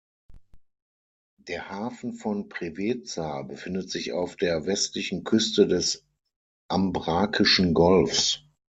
Der Hafen von Preveza befindet sich auf der westlichen Küste des Ambrakischen Golfs.